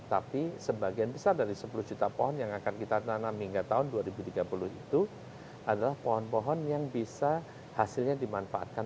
tapi sebagian besar dari sepuluh juta pohon yang akan kita tanam hingga tahun dua ribu tiga puluh itu adalah pohon pohon yang bisa hasilnya dimanfaatkan